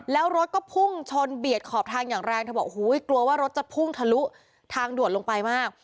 แล้วรถก็พุ่งชนเบียดขอบทางอย่างแรงเธอบอกโอ้โหกลัวว่ารถจะพุ่งทะลุทางด่วนลงไปมาก